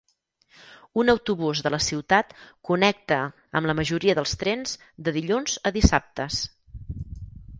Un autobús de la ciutat connecta amb la majoria dels trens de dilluns a dissabtes.